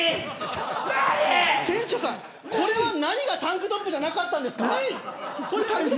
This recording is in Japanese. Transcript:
店長さん、これは何がタンクトップじゃなかったんですか。